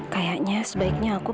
kayaknya sebaiknya aku percaya